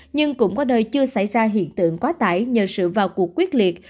nhưng cũng có nơi chưa xảy ra hiện tượng quá tải nhờ sự vào cuộc quyết liệt